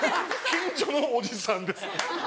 近所のおじさんです